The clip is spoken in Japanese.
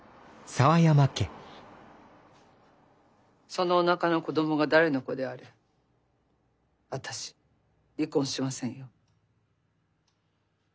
そのおなかの子どもが誰の子であれ私離婚しませんよ。